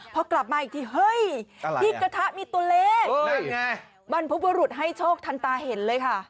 พอกลับมาอีกทีเฮ้ยที่กระทะมีตัวเลขนั่นไงบรรพบุรุษให้โชคทันตาเห็นเลยค่ะ